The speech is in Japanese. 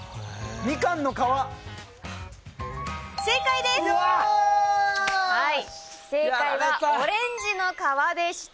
正解です。